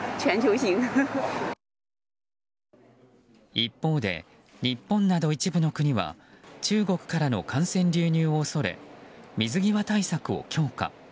一方で日本など一部の国は中国からの感染流入を恐れ水際対策を強化。